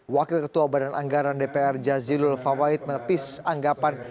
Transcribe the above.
wakil ketua badan anggaran dpr jazilul fawait menepis anggapan